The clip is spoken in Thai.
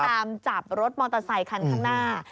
ตามจับรถมอเตอร์ไซคันข้างหน้า